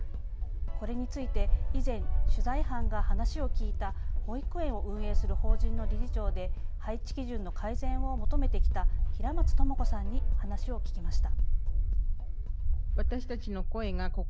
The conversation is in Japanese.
これについて以前、取材班が話を聞いた保育園を運営する法人の理事長で配置基準の改善を求めてきた平松知子さんに話を聞きました。